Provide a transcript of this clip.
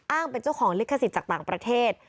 เป็นเจ้าของลิขสิทธิ์จากต่างประเทศ